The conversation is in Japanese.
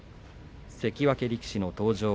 関脇力士の登場。